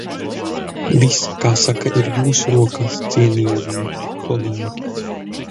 Viss, kā saka, ir jūsu rokās, cienījamie kolēģi!